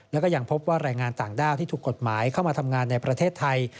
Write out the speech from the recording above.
แล้วก็ยังพบว่าแรงงานต่างด้าวที่ถูกกฎหมายเข้ามาทำงานในประเทศไทย